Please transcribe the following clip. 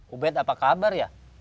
ubet apa kabar ya